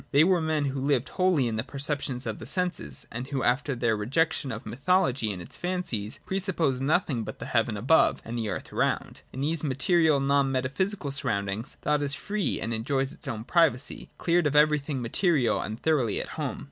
They were men who lived wholly in the perceptions of the senses, and who, after their rejection of mythology and its fancies, pre sup posed nothing but the heaven above and the earth around. In these material, non metaphysical surroundings, thought is free and enjoys its own privacy, — cleared of everything material, and thoroughly at home.